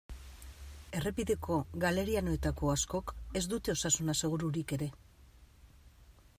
Errepideko galerianoetako askok ez dute osasun asegururik ere.